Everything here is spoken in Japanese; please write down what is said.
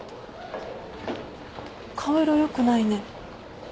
顔色よくないね。